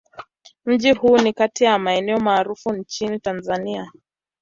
Mji huu ni kati ya maeneo maarufu nchini Tanzania.